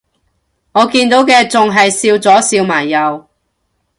我見到嘅仲係笑咗笑埋右